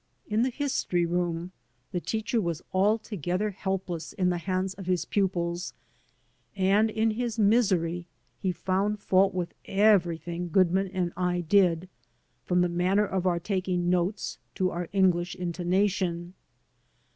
In the history room the teacher was altogether helpless in the hands of his pupils, and in his misery he found fault with everything Goodman and I did, from the manner of our taking notes to our English intonation.